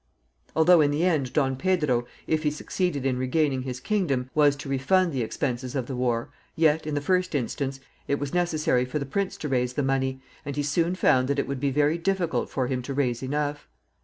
Although, in the end, Don Pedro, if he succeeded in regaining his kingdom, was to refund the expenses of the war, yet, in the first instance, it was necessary for the prince to raise the money, and he soon found that it would be very difficult for him to raise enough.